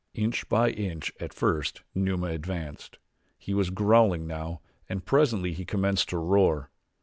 Inch by inch at first Numa advanced. He was growling now and presently he commenced to roar.